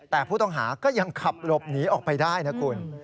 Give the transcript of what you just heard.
แต่ผู้ต้องหาก็ยังขับหลบหนีออกไปได้นะคุณ